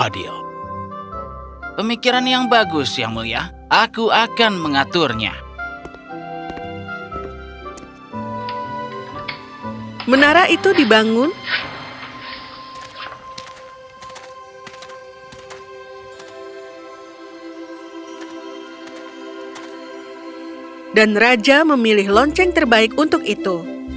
dan raja memilih lonceng terbaik untuk itu